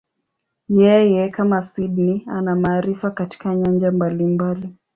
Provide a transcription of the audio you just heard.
Yeye, kama Sydney, ana maarifa katika nyanja mbalimbali.